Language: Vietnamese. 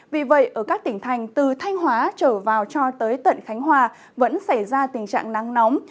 vì vậy ở các tỉnh thành từ thanh hóa trở vào cho tới tận khánh hòa vẫn xảy ra tình trạng nắng nóng